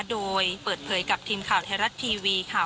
โดยเปิดเผยกับทีมข่าวไทยรัฐทีวีค่ะ